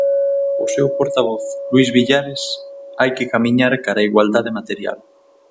O seu portavoz Luis Villares, hai que camiñar cara á igualdade material.